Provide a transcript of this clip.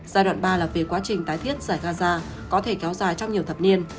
giai đoạn ba là về quá trình tái thiết giải gaza có thể kéo dài trong nhiều thập niên